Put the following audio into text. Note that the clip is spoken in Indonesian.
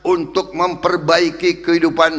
untuk memperbaiki kehidupan